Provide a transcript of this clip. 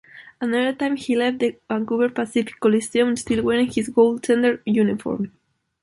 Another time he left the Vancouver Pacific Coliseum still wearing his goaltender uniform.